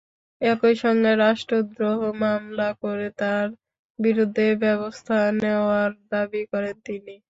একই সঙ্গে রাষ্ট্রদ্রোহ মামলা করে তাঁর বিরুদ্ধে ব্যবস্থা নেওয়ারও দাবি করেন তিনি।